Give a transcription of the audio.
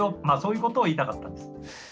まあそういうことを言いたかったんです。